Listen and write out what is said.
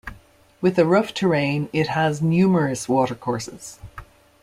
With a rough terrain, it has numerous water courses.